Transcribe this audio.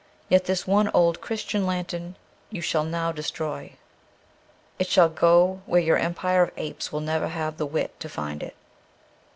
Yet this one old Christian lantern you shall now destroy. It shall go where your empire of apes will never have the wit to find it.